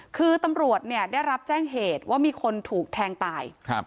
คือตำรวจเนี่ยได้รับแจ้งเหตุว่ามีคนถูกแทงตาย